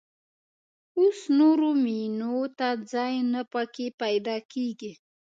اوس نورو مېنو ته ځای نه په کې پيدا کېږي.